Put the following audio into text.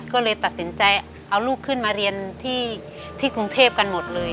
ก็เลยตัดสินใจเอาลูกขึ้นมาเรียนที่กรุงเทพกันหมดเลย